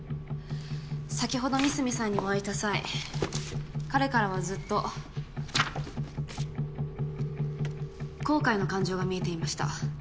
先ほど三隅さんにお会いした際彼からはずっと「後悔」の感情が見えていました。